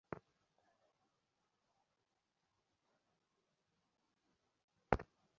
নতুন মডেলের মাদারবোর্ডগুলো বিভিন্ন পর্যায়ের ক্রেতাদের জন্য অসাধারণ ফিচার নিয়ে এসেছে।